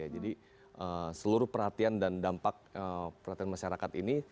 jadi seluruh perhatian dan dampak perhatian masyarakat ini